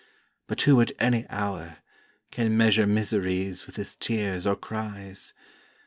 But who at any hour, Can measure miseries with his tears or cries?